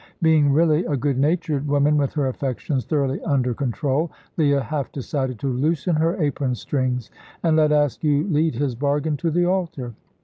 Being really a good natured woman with her affections thoroughly under control, Leah half decided to loosen her apron strings and let Askew lead his bargain to the altar.